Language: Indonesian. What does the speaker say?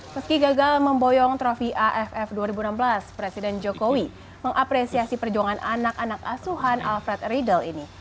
meski gagal memboyong trofi aff dua ribu enam belas presiden jokowi mengapresiasi perjuangan anak anak asuhan alfred riedel ini